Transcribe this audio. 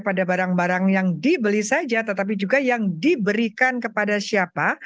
pada barang barang yang dibeli saja tetapi juga yang diberikan kepada siapa